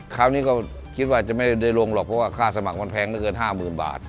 คราวนี้ก็คิดว่าจะไม่ลงเลยพอว่าค่าสมัครมันแพงมันเท่าเกิน๕๐๐๐๐บาท